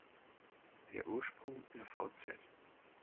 Der Ursprung der vz.